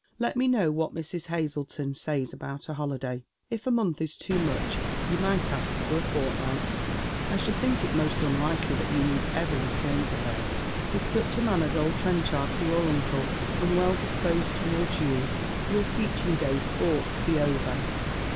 " Let me know what Mrs. Hazleton says about a holiday. If a month is too much you might ask for a fortnight I should think it most unlikely that you need ever return to her. With " Plunged in the Depth of Helpless PoverbjT* % snch a man as old Trench nrd for your uncle, and well disposed towards you, your teaching days ought to be over.